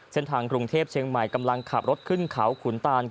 เส้นทางกรุงเทพเชียงใหม่กำลังขับรถขึ้นเขาขุนตาน